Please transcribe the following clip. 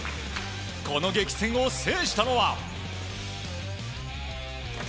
この激戦を制したのは。